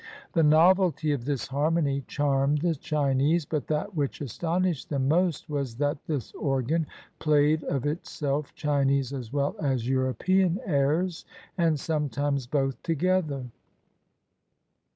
The novelty of this harmony charmed the Chinese; but that which astonished them most was that this organ played of itself Chinese as well as European airs, and sometimes both together.